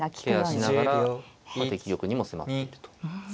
ケアしながら敵玉にも迫っていると。